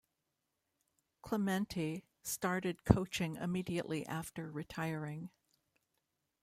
Clemente started coaching immediately after retiring.